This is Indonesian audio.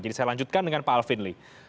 jadi saya lanjutkan dengan pak alvin li